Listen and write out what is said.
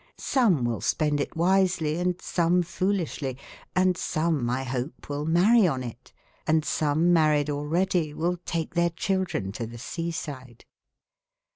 Some will spend it wisely and some foolishly, and some, I hope, will marry on it, and some married already will take their children to the seaside.